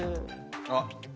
あっ。